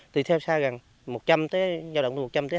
từ theo xa gần một trăm linh hai trăm linh